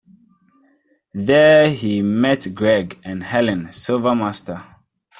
There he met Greg and Helen Silvermaster.